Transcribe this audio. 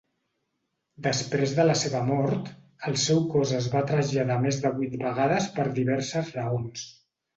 Després de la seva mort, el seu cos es va traslladar més de vuit vegades per diverses raons.